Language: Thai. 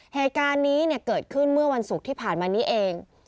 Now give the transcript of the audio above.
เหตุการณ์นี้เกิดขึ้นเมื่อวันศุกร์ที่ผ่านมานี้เอง